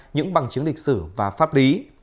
những bằng chứng lịch sử và pháp lý